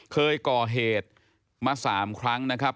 เคยก่อเหตุมา๓ครั้ง